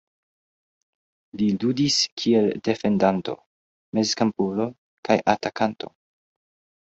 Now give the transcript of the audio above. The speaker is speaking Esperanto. Li ludis kiel defendanto, mezkampulo kaj atakanto.